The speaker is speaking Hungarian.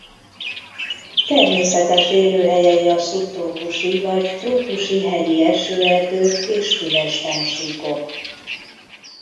Természetes élőhelyei a szubtrópusi vagy trópusi hegyi esőerdők és füves fennsíkok.